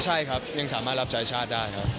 ใช่ครับยังสามารถรับใช้ชาติได้ครับ